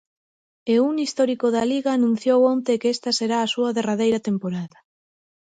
E un histórico da Liga anunciou onte que esta será a súa derradeira temporada.